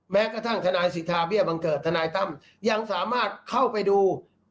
แม้กระทั่งทนายสิทธาเบี้ยบังเกิดทนายตั้มยังสามารถเข้าไปดู